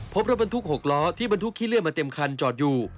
พบรถบรรทุก๖ล้อที่บรรทุกขี้เลื่อนมาเต็มคันจอดอยู่